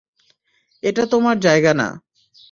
এটা তোমার জায়গা না।